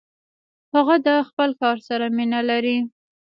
هغه د خپل کار سره مینه لري.